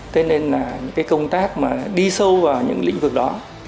thế nên công tác đi sâu vào những lĩnh vực đó